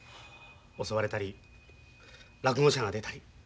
襲われたりらくご者が出たり。